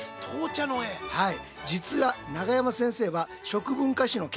はい。